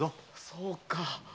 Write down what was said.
そうか。